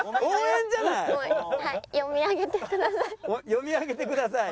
「読み上げてください」。